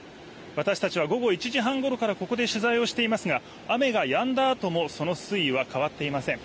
私たちは午後１時半ごろからここで取材をしていますが雨がやんだあともその水位は変わっていません。